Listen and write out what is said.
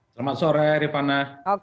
selamat sore ripana